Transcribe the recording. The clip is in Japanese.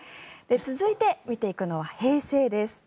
続いて見ていくのは平成です。